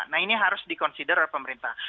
nah ini harus dikonsider oleh pemerintah